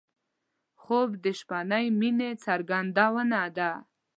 خوب د شپهنۍ مینې څرګندونه ده